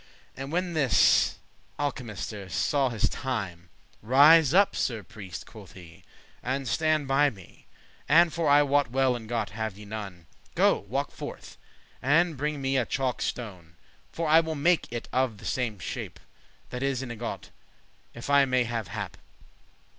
And when this alchemister saw his time, "Rise up, Sir Priest," quoth he, "and stand by me; And, for I wot well ingot* have ye none; *mould Go, walke forth, and bring me a chalk stone; For I will make it of the same shape That is an ingot, if I may have hap.